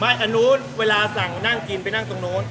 อันนู้นเวลาสั่งนั่งกินไปนั่งตรงนู้น